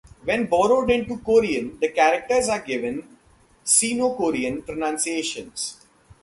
When borrowed into Korean, the characters are given Sino-Korean pronunciations.